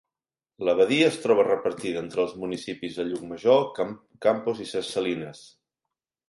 La badia es troba repartida entre els municipis de Llucmajor, Campos i ses Salines.